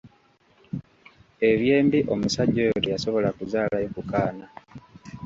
Eby'embi omusajja oyo teyasobola kuzaalayo ku kaana.